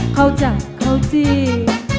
เข้าจากเข้าจีบ